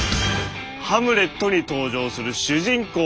「ハムレット」に登場する主人公